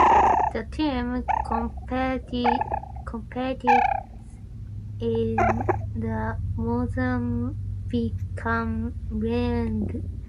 The team competes in the Mozambican League.